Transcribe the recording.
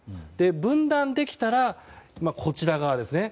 分断できたら、こちら側ですね